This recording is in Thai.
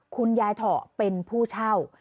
คุณยายเถาะเป็นผู้เช่า